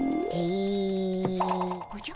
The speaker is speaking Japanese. おじゃ？